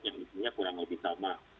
yang isinya kurang lebih sama